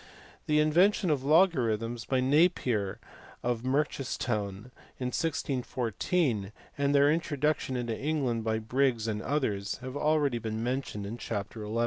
The invention of logarithms by Napier of Merchistoun in 1614, and their introduction into England by Briggs and others, have been already mentioned in chapter XT.